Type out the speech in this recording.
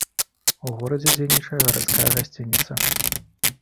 У горадзе дзейнічае гарадская гасцініца.